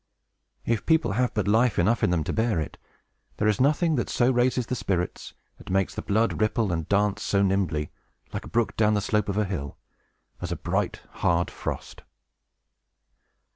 If people have but life enough in them to bear it, there is nothing that so raises the spirits, and makes the blood ripple and dance so nimbly, like a brook down the slope of a hill, as a bright, hard frost.